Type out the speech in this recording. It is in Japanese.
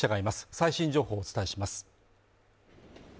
最新情報をお伝えします。